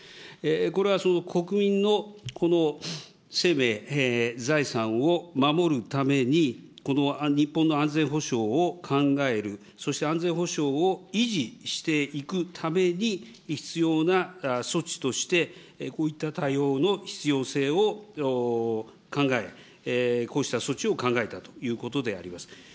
これは国民の生命、財産を守るために、この日本の安全保障を考える、そして安全保障を維持していくために必要な措置として、こういった対応の必要性を考え、こうした措置を考えたということであります。